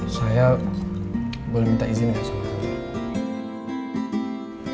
saya boleh minta izin nggak sama kamu